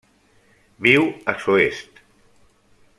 Viu a Soest.